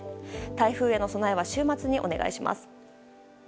台風への備えは週末にお願いします。